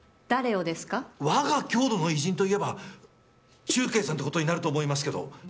我が郷土の偉人といえば忠敬さんのことになると思いますけど。